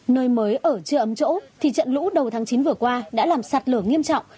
nơi mới ở chưa ấm chỗ thì trận lũ đầu tháng chín vừa qua đã làm sạt lở nghiêm trọng